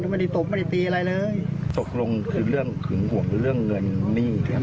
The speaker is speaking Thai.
ตามภาคดเนี้ย